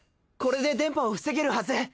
これで電波を防げるはず！